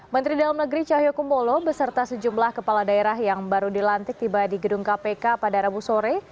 menteri dalam negeri cahyokumolo beserta sejumlah kepala daerah yang baru dilantik tiba di gedung kpk pada rabu sore